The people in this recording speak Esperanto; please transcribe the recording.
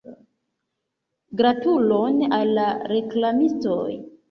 Gratulon al la reklamistoj.